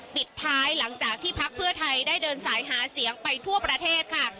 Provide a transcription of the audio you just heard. ปิดท้ายหลังจากที่พักเพื่อไทยได้เดินสายหาเสียงไปทั่วประเทศค่ะ